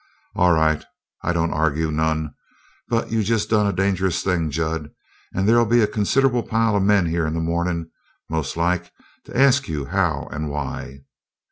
"All right, I don't argue none. But you just done a dangerous thing, Jud. And there'll be a consid'able pile of men here in the mornin', most like, to ask you how and why."